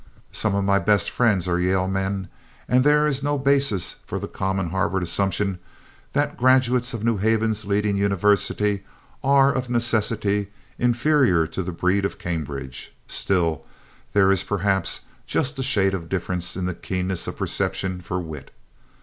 Some of my best friends are Yale men and there is no basis for the common Harvard assumption that graduates of New Haven's leading university are of necessity inferior to the breed of Cambridge. Still, there is, perhaps, just a shade of difference in the keenness of perception for wit.